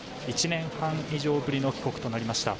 １年半以上ぶりの帰国となりました。